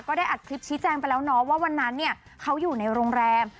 ได้อัดคลิปชี้แจงไปแล้วเนาะว่าวันนั้นเนี่ยเขาอยู่ในโรงแรม